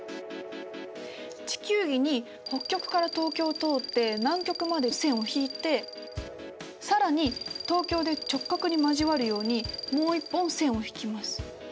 地球儀に北極から東京を通って南極まで線を引いて更に東京で直角に交わるようにもう一本線を引きます。